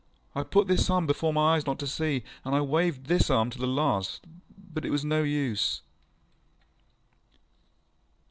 I put this arm before my eyes not to see, and I waved this arm to the last; but it was no use.